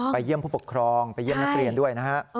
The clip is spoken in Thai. เยี่ยมผู้ปกครองไปเยี่ยมนักเรียนด้วยนะฮะ